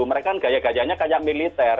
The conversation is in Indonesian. mereka gaya gayanya kayak militer